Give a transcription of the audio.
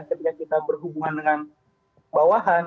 ketika kita berhubungan dengan bawahan